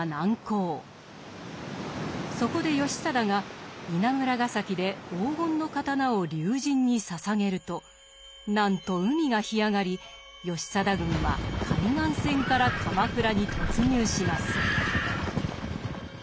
そこで義貞が稲村ヶ崎で黄金の刀を竜神に捧げるとなんと海が干上がり義貞軍は海岸線から鎌倉に突入します。